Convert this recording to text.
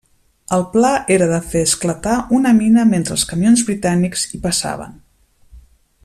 El pla era de fer esclatar una mina mentre els camions britànics hi passaven.